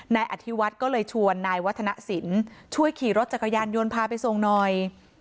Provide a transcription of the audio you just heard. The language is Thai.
นายอธิวัฒน์ก็เลยชวนนายวัฒนศิลป์ช่วยขี่รถจักรยานยนต์พาไปส่งหน่อย